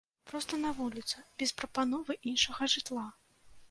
Проста на вуліцу, без прапановы іншага жытла.